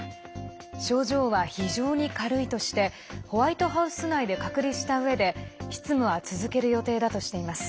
症状は非常に軽いとしてホワイトハウス内で隔離したうえで執務は続ける予定だとしています。